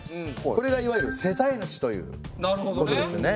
これがいわゆる世帯主ということですね。